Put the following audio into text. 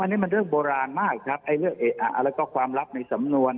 อันนี้เรื่องบรานมากเรื่องความลับในสำนวน